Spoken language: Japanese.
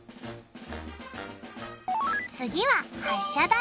次は発射台。